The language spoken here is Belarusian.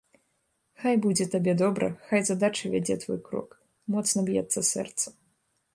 Хай будзе табе добра, хай задача вядзе твой крок, моцна б'ецца сэрца.